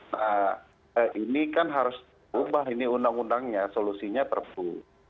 nah ini kan harus diubah ini undang undangnya solusinya perpu